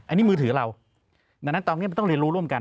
อันนี้มือถือเราดังนั้นตอนนี้มันต้องเรียนรู้ร่วมกัน